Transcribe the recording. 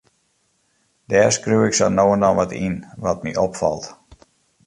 Dêr skriuw ik sa no en dan wat yn, wat my opfalt.